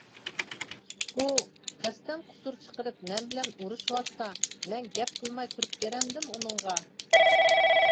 ئۇ قەستەن قۇسۇر چىقىرىپ مەن بىلەن ئۇرۇشىۋاتسا، مەن گەپ قىلماي تۇرۇپ بېرەمدىم ئۇنىڭغا.